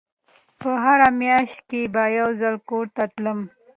په هره مياشت کښې به يو ځل کور ته تلم.